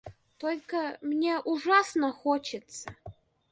Только мне ужасно хочется.